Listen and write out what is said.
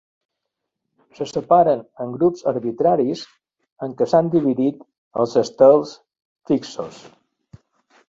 Se separen en grups arbitraris en què s'han dividit els estels fixos.